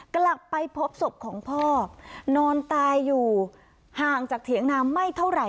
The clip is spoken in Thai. กลับไปพบศพของพ่อนอนตายอยู่ห่างจากเถียงนาไม่เท่าไหร่